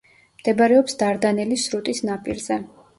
მდებარეობს დარდანელის სრუტის ნაპირზე.